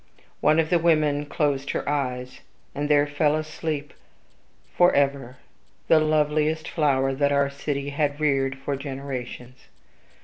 One of the women closed her eyelids; and there fell asleep forever the loveliest flower that our city had reared for generations.